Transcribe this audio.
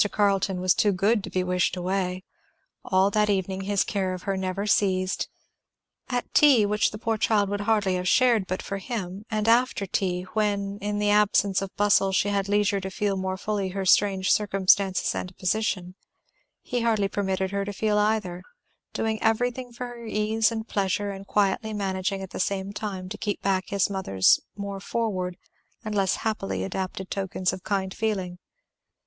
Carleton was too good to be wished away. All that evening his care of her never ceased. At tea, which the poor child would hardly have shared but for him, and after tea, when in the absence of bustle she had leisure to feel more fully her strange circumstances and position, he hardly permitted her to feel either, doing everything for her ease and pleasure and quietly managing at the same time to keep back his mother's more forward and less happily adapted tokens of kind feeling.